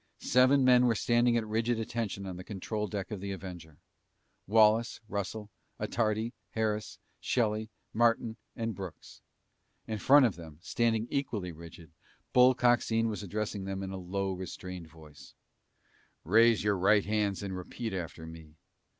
Seven men were standing at rigid attention on the control deck of the Avenger. Wallace, Russell, Attardi, Harris, Shelly, Martin, and Brooks. In front of them, standing equally rigid, Bull Coxine was addressing them in a low restrained voice. "Raise your right hands and repeat after me."